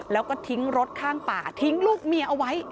แล้วก็ทิ้งรถข้างป่าทิ้งลูกเมียเอาไว้